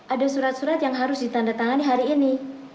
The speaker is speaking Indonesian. ada surat surat yang harus ditandatangan di hari ini